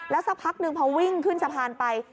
สักพักหนึ่งพอวิ่งขึ้นสะพานไป